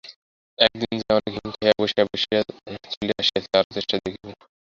একদিন যাইয়া অনেক হিম খাইয়া বসিয়া বসিয়া চলিয়া আসিয়াছি, আরও চেষ্টা দেখিব।